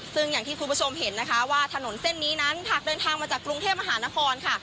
ซึ่งอย่างที่คุณผู้ชมเห็นนะคะว่าถนนเส้นนี้นั้นหากเดินทางมาจากกรุงเทพมหานครค่ะ